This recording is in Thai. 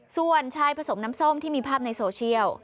ส่วนชายผสมน้ำส้มที่มีภาพในโซเชียล